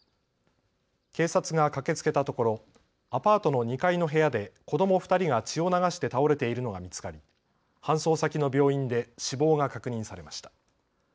警察が駆けつけたところアパートの２階の部屋で子ども２人が血を流して倒れているのが見つかり搬送先の病院で死亡が確認されました。